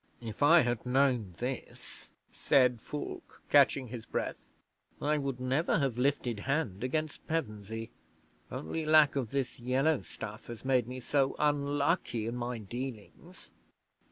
'"If I had known this," said Fulke, catching his breath, "I would never have lifted hand against Pevensey. Only lack of this yellow stuff has made me so unlucky in my dealings."